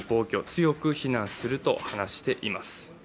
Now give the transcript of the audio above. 強く非難すると話しています。